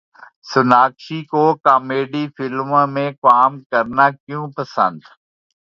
سوناکشی کو کامیڈی فلموں میں کام کرنا کیوں پسند